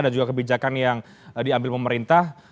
dan juga kebijakan yang diambil pemerintah